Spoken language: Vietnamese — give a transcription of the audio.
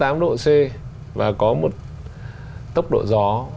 tốc độ gió đối lưu và có một tốc độ gió đối lưu